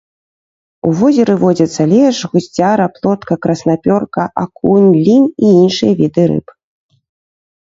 У возеры водзяцца лешч, гусцяра, плотка, краснапёрка, акунь, лінь і іншыя віды рыб.